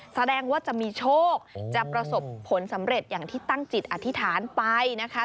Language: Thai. แสดงว่าจะมีโชคจะประสบผลสำเร็จอย่างที่ตั้งจิตอธิษฐานไปนะคะ